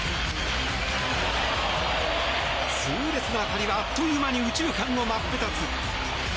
痛烈な当たりは、あっという間に右中間を真っ二つ。